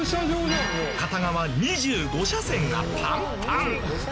片側２５車線がパンパン！